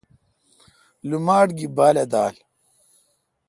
لوماٹ گی بالہ دال